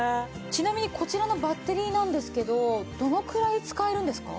ちなみにこちらのバッテリーなんですけどどのくらい使えるんですか？